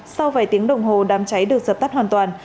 sau vài tiếng đồng hồ đám cháy được dập tắt hoàn toàn